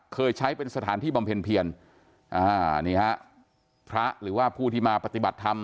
เคยใช้เป็นสถานที่บำเพ็ญเพียรอ่านี่ฮะพระหรือว่าผู้ที่มาปฏิบัติธรรม